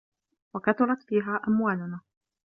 وَكَثُرَتْ فِيهَا أَمْوَالُنَا